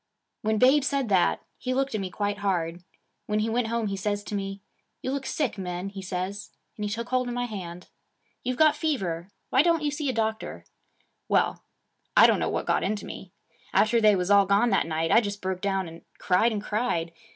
When Babe said that, he looked at me quite hard. When he went home he says to me, "You look sick, Min," he says, and he took hold of my hand. "You've got fever. Why don't you see a doctor?" 'Well, I don't know what got into me. After they was all gone that night, I just broke down, and cried and cried.